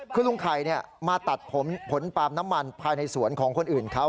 คือลุงไข่มาตัดผมผลปาล์มน้ำมันภายในสวนของคนอื่นเขา